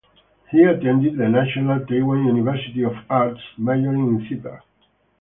He attended the National Taiwan University of Arts majoring in theater.